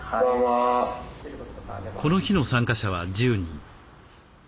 この日の参加者は１０人。